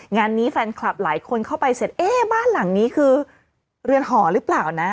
งานนี้แฟนคลับหลายคนเข้าไปเสร็จเอ๊ะบ้านหลังนี้คือเรือนหอหรือเปล่านะ